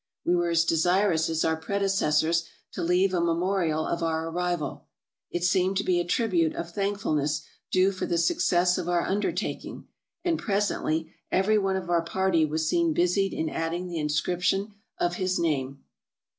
We were as desirous as our predecessors to leave a memorial of our arrival ; it seemed to be a tribute of thankfulness due for the success of our undertaking; and presently every one of our party was seen busied in adding the inscription of his name.